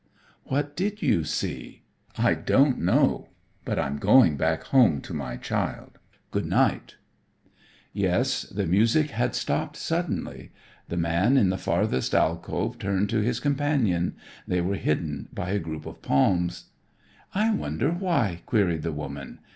"What did you see?" "I don't know, but I'm going back home to my child. Good night." Yes, the music had stopped suddenly. The man in the farthest alcove turned to his companion. They were hidden by a group of palms. "I wonder why?" queried the woman.